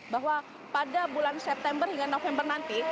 bahwa pada bulan september hingga november nanti